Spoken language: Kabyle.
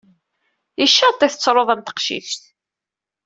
Icaṭ ay tettruḍ am teqcict!